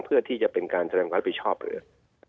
เพื่อที่จะเป็นการแสดงความรับผิดชอบเลย